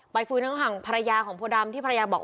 ฟื้นทั้งฝั่งภรรยาของโพดำที่ภรรยาบอก